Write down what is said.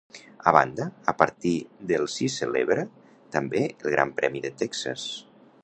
A banda, a partir del s'hi celebra també el Gran Premi de Texas.